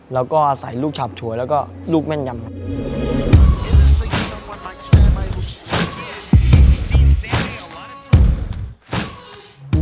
แล้วก็ใส่ลูกฉับฉวยแล้วก็ลูกแม่นยำครับ